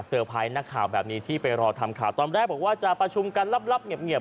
นักข่าวแบบนี้ที่ไปรอทำข่าวตอนแรกบอกว่าจะประชุมกันลับเงียบ